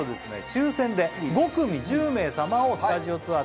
抽選で５組１０名様をスタジオツアー